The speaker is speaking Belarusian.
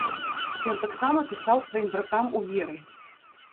Ён таксама пісаў сваім братам у веры.